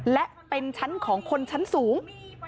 และเป็นชั้นของคนชั้นสูง